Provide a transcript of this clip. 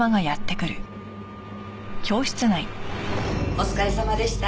お疲れさまでした。